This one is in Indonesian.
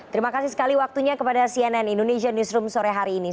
terima kasih sekali waktunya kepada cnn indonesia newsroom sore hari ini